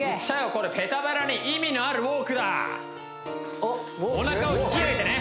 これペタ腹に意味のあるウォークだお腹を引き上げてね